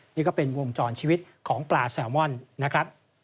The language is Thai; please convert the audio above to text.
นี่ก็เป็นวงจรชีวิตของปลาแซลมอนนะครับ